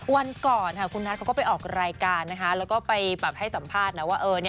วันก่อนคุณนัทเขาก็ไปออกรายการนะคะแล้วก็ไปให้สัมภาษณ์นะว่า